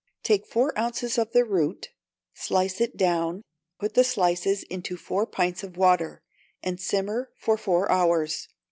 Take four ounces of the root, slice it down, put the slices into four pints of water, and simmer for four hours.